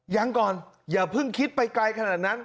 ยังก่อนอย่าเพิ่งคิดไปไกลขนาดนั้น